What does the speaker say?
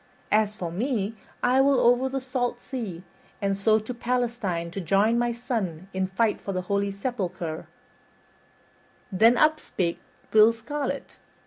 As for me, I will over the salt sea, and so to Palestine to join my son in fight for the holy sepulcher." Then up spake Will Scarlet.